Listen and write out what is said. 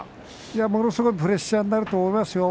ものすごくプレッシャーになると思いますよ